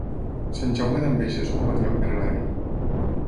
Sant Jaume d'Enveja es un bon lloc per anar-hi